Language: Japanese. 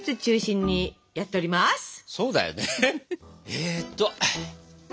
えっと。